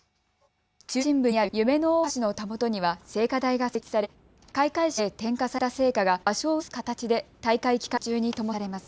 中心部にある夢の大橋のたもとには聖火台が設置され開会式で点火された聖火が場所を移す形で大会期間中にともされます。